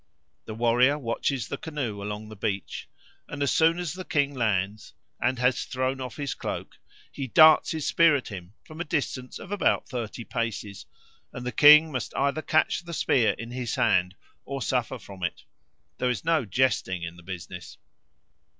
This warrior watches the canoe along the beach; and as soon as the king lands, and has thrown off his cloak, he darts his spear at him, from a distance of about thirty paces, and the king must either catch the spear in his hand, or suffer from it: there is no jesting in the business.